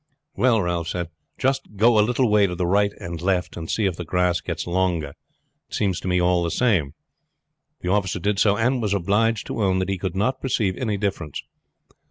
"Well," Ralph said, "just go a little way to the right and left, and see if the grass gets longer. It seems to me all the same." The officer did so, and was obliged to own that he could not perceive any difference.